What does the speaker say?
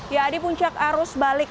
ya di puncak arus balik